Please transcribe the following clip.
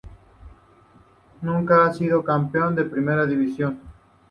Nunca ha sido campeón de Primera División.